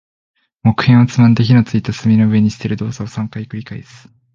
木片をつまんで、火の付いた炭の上に捨てる動作を三回繰り返す。